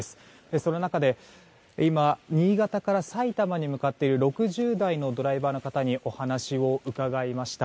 その中で今、新潟から埼玉に向かっている６０代のドライバーの方にお話を伺いました。